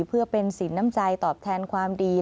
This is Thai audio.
เพื่อเป็นสินน้ำใจตอบแทนความดี